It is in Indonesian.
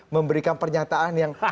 memberikan pernyataan yang